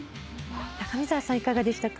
高見沢さんいかがでしたか？